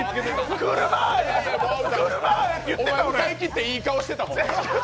歌いきって、いい顔してたもん。